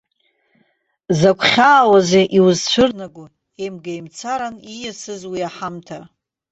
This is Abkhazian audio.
Закә хьааузеи иузцәырнаго еимгеимцаран ииасыз уи аҳамҭа!